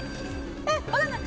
えっわかんない！